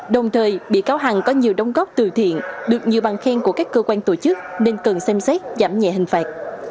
đồng thời bị cáo hằng có nhiều đóng góp từ thiện được nhiều bằng khen của các cơ quan tổ chức nên cần xem xét giảm nhẹ hình phạt